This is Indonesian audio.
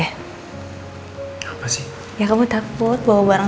istri cuma pengen denger doang